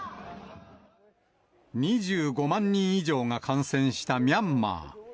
２５万人以上が感染したミャンマー。